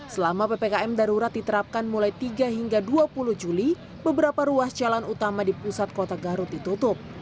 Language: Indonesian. selama ppkm darurat diterapkan mulai tiga hingga dua puluh juli beberapa ruas jalan utama di pusat kota garut ditutup